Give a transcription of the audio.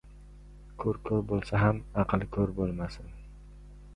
• Ko‘z ko‘r bo‘lsa ham, aql ko‘r bo‘lmasin.